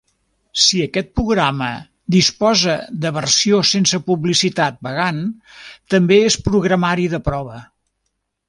Si aquest programa disposa de versió sense publicitat pagant, també és programari de prova.